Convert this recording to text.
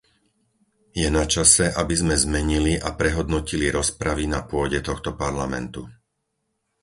Je načase, aby sme zmenili a prehodnotili rozpravy na pôde tohto Parlamentu.